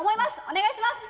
お願いします。